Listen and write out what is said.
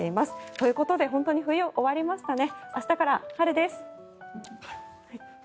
ということで本当に冬、終わりましたね。